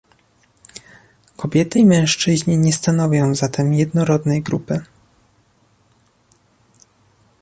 Kobiety i mężczyźni nie stanowią zatem jednorodnej grupy